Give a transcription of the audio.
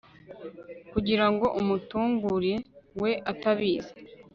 kugira ngo umutunguire we atabizi